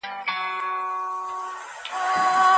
د زده کړې ملاتړ د ماشومانو د پلار یوه دنده ده.